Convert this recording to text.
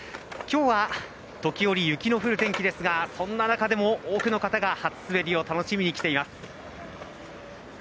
きょうは時折雪の降る天気ですがそんな中でも多くの方が初滑りを楽しみに来ています。